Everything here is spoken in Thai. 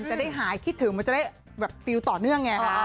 จะได้หายคิดถึงมันจะได้แบบฟิลต่อเนื่องไง